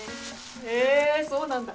へぇそうなんだ